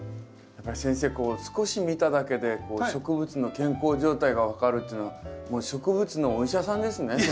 やっぱり先生少し見ただけで植物の健康状態が分かるっていうのはもう植物のお医者さんですね。